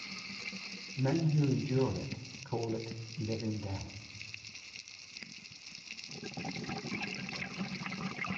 Men who endure it, call it living death.